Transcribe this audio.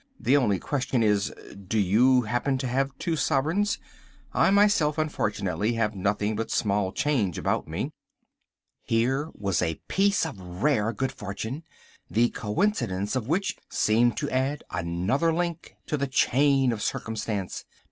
The only question is, do you happen to have two sovereigns? I myself, unfortunately, have nothing but small change about me." Here was a piece of rare good fortune, the coincidence of which seemed to add another link to the chain of circumstance.